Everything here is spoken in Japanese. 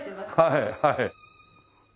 はいはい。